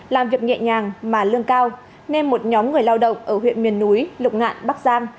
làm việc nhẹ nhàng mà lương cao nên một nhóm người lao động ở huyện miền núi lục ngạn bắc giang